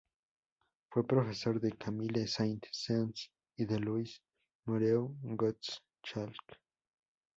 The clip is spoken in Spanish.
Fue profesor de Camille Saint-Saëns y de Louis Moreau Gottschalk.